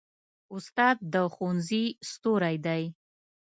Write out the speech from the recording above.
استاد د ښوونځي ستوری دی.